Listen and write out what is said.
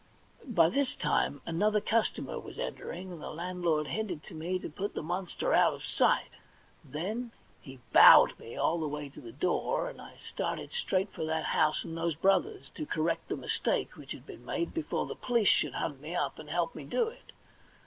By this time another customer was entering, and the landlord hinted to me to put the monster out of sight ; then he bowed me all the way to the door, and I started straight for that house and those brothers, to correct the mistake which had been made before the police should hunt me up, and help me do it.